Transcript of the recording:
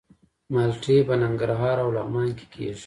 مالټې په ننګرهار او لغمان کې کیږي.